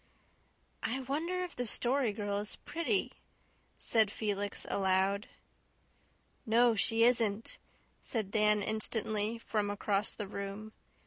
"I wonder if the Story Girl is pretty," said Felix aloud. "No, she isn't," said Dan instantly, from across the room.